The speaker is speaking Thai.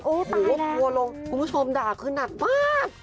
ชัวบทัวร์ลงคุณผู้ชมด่าเค้าหนักมาก